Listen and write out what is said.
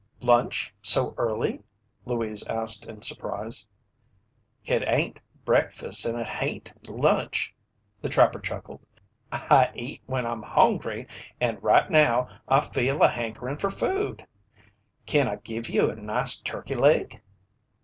"Lunch so early?" Louise asked in surprise. "It hain't breakfast and it hain't lunch," the trapper chuckled. "I eat when I'm hongry, an' right now I feel a hankerin' fer food. Kin I give you a nice turkey leg?"